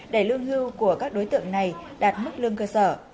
để lương hưu của các đối tượng này đạt mức lương cơ sở